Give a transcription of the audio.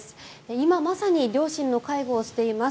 今まさに両親の介護をしています。